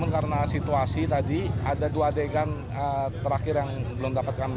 karena situasi tadi ada dua adegan terakhir yang belum dapat kami